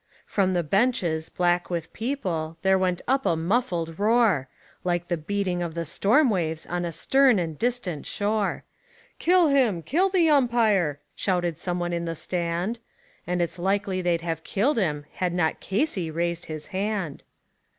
From the benches, black with people, there went up a muffled roar, Like the beating of the storm waves on a stern and distant shore; "Kill him! Kill the umpire!" shouted some one in the stand. And it's likely they'd have killed him had not Casey raised his hand.